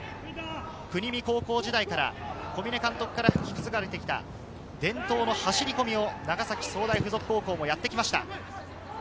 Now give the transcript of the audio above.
国見高校時代から小嶺監督から引き継がれてきた伝統の走り込みを長崎総大附属もやってきました。